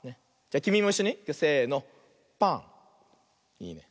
いいね。